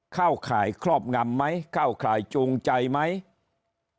ข้าวขายครอบงำไหมข้าวขายจูงใจไหมข้าวขายชี้นำไหม